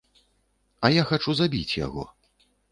А я хачу забіць яго.